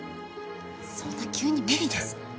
そんな急に無理です。